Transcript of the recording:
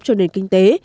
cho nền kinh tế